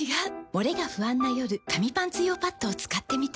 モレが不安な夜紙パンツ用パッドを使ってみた。